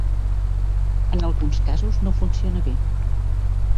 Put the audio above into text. En alguns casos no funciona bé.